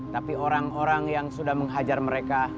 tapi orang orang yang sudah menghajar mereka